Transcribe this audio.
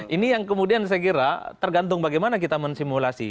ini yang kemudian saya kira tergantung bagaimana kita mensimulasi